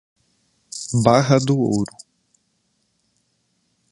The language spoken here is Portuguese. Barra do Ouro